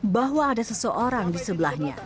bahwa ada seseorang di sebelahnya